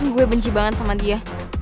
gue benci banget sama dia